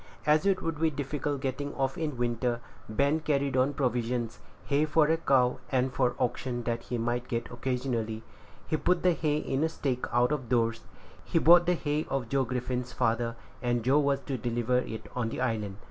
As it would be difficult getting off in the winter, Ben carried on provisions, hay for a cow, and for oxen that he might get occasionally. He put the hay in a stack out of doors. He bought the hay of Joe Griffin's father, and Joe was to deliver it on the island.